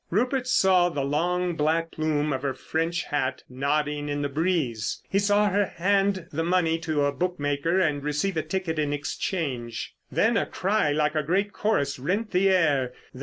Rupert saw the long black plume of her French hat nodding in the breeze. He saw her hand the money to a bookmaker and receive a ticket in exchange. Then a cry like a great chorus rent the air.